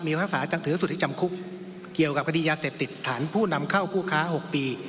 มีภาษาจังถือสุทธิจำคุกเกี่ยวกับคดียาเสพติดฐานผู้นำเข้าผู้ค้า๖ปี